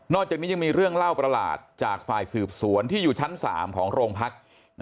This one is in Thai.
อกจากนี้ยังมีเรื่องเล่าประหลาดจากฝ่ายสืบสวนที่อยู่ชั้น๓ของโรงพัก